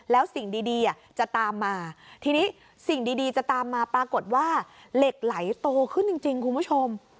แล้วสิ่งดีจะตามมาทีนี้สิ่งดีจะตามมาปรากฏว่าเหล็กไหลโตขึ้นจริงคุณผู้ชม